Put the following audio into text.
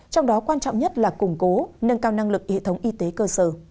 trong đó quan trọng nhất là củng cố nâng cao năng lực y tế cơ sở